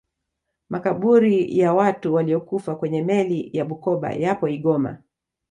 makabuli ya watu waliyokufa kwenye meli ya bukoba yapo igoma